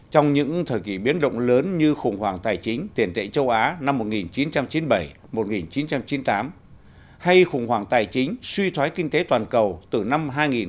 trong những thời kỳ biến động lớn như khủng hoảng tài chính tiền tệ châu á năm một nghìn chín trăm chín mươi bảy một nghìn chín trăm chín mươi tám hay khủng hoảng tài chính suy thoái kinh tế toàn cầu từ năm hai nghìn một mươi bảy